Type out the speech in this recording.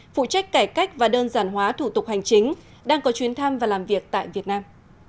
phụ trách cải cách và đơn giản hóa thủ tục hành chính đang có chuyến thăm và làm việc tại việt nam